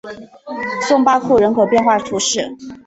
松巴库人口变化图示